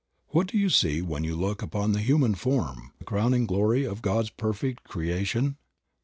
Wliat do you see when you look upon the human form, the crowning glory of God's perfect creation?